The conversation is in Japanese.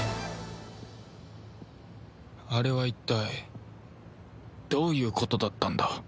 あれは一体どういうことだったんだ？